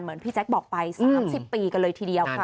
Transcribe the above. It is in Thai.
เหมือนพี่แจ๊คบอกไปสามสิบปีกันเลยทีเดียวค่ะ